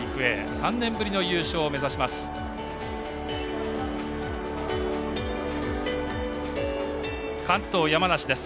３年ぶりの優勝を目指します。